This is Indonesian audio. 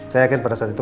saya yakin pada saat itu